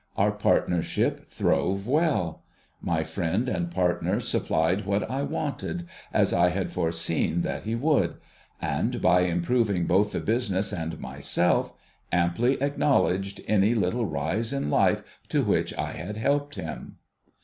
Our partnership throve well. My friend and partner supplied what I wanted, as I had foreseen that he would ; and by imj)roving both THE SITUATION OF HIS CASTLE 33 the business and myself, amply acknowledged any little rise in life to which I had helped him.